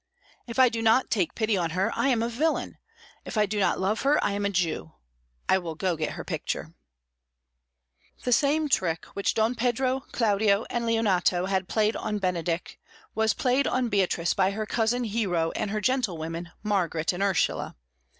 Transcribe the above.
If I do not take pity on her, I am a villain; if I do not love her, I am a Jew. I will go get her picture!" The same trick which Don Pedro, Claudio, and Leonato had played on Benedick was played on Beatrice by her cousin Hero and her gentlewomen, Margaret and Ursula.